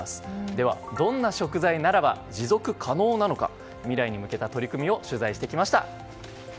では、どんな食材ならば持続可能なのか未来に向けた取り組みを取材してきました。